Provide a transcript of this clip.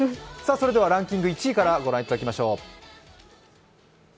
ランキング１位からご覧いただきましょう。